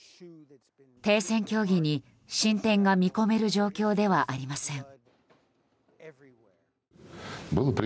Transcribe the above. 停戦協議に進展が見込める状況ではありません。